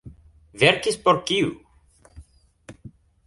Verkis por kiu?